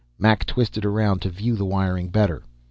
Mac twisted around to view the wiring better.